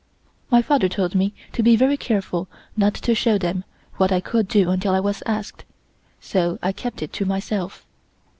My father told me to be very careful not to show them what I could do until I was asked, so I kept it to myself.